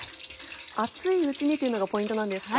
熱いうちにというのがポイントなんですか？